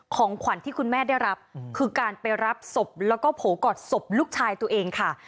ของขวัญที่คุณแม่ได้รับคือการไปรับศพแล้วก็โผล่กอดศพลูกชายตัวเองค่ะ